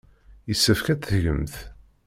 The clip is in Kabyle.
Yessefk ad tt-tgemt.